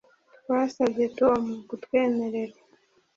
Twasabye Tom kutwemerera